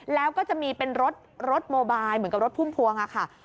แล้วก็จะมีเป็นรถโมบายเหมือนกับรถพุ่มพวงค่ะ